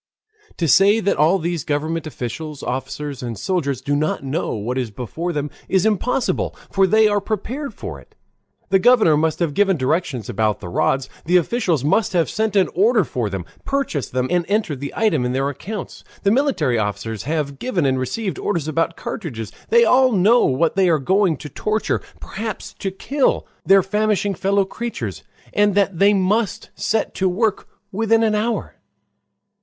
To say that all these government officials, officers, and soldiers do not know what is before them is impossible, for they are prepared for it. The governor must have given directions about the rods, the officials must have sent an order for them, purchased them, and entered the item in their accounts. The military officers have given and received orders about cartridges. They all know that they are going to torture, perhaps to kill, their famishing fellow creatures, and that they must set to work within an hour.